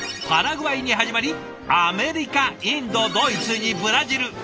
パラグアイに始まりアメリカインドドイツにブラジル。